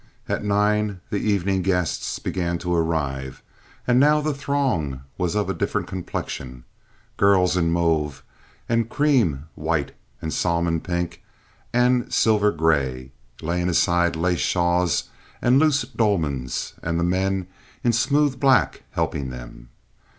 At nine the evening guests began to arrive, and now the throng was of a different complexion—girls in mauve and cream white and salmon pink and silver gray, laying aside lace shawls and loose dolmans, and the men in smooth black helping them.